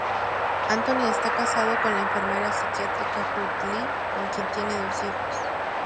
Antony está casado con la enfermera psiquiátrica Ruth Lee, con quien tiene dos hijos.